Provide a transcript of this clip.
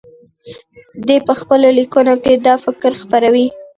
دی په خپلو لیکنو کې دا فکر خپروي.